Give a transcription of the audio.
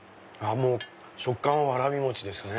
食感はわらび餅ですね。